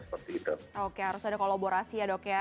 seperti itu oke harus ada kolaborasi ya dok ya